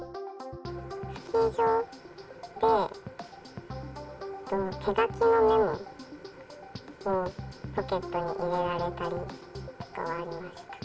スキー場で手書きのメモをポケットに入れられたりとかはありました。